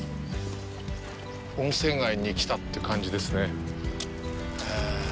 温泉街に来たという感じですね。